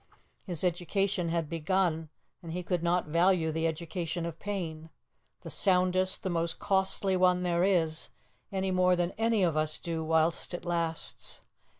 His education had begun, and he could not value the education of pain the soundest, the most costly one there is any more than any of us do whilst it lasts.